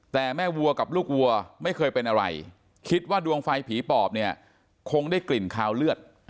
แต่แม่วัวกับลูกวัวไม่เคยเป็นอะไรคิดว่าดวงไฟผีปอบเนี่ยคงได้กลิ่นคาวเลือด